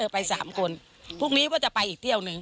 ไป๓คนพรุ่งนี้ก็จะไปอีกเที่ยวหนึ่ง